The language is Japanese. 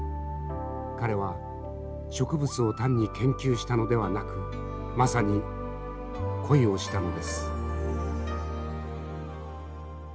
彼は植物を単に研究したのではなくまさに恋をしたのです。